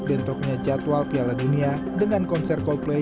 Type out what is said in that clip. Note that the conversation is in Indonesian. pemimpin persilakan untuk mencari jadwal piala dunia dengan konser coldplay